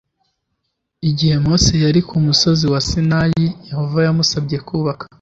Igihe mose yari ku musozi wa sinayi yehova yamusabye kubaka